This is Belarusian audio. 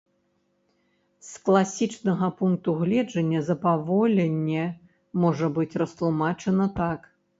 З класічнага пункту гледжання запаволенне можа быць растлумачана так.